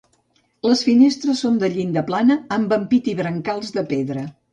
Les finestres són de llinda plana, amb ampit i brancals de pedra.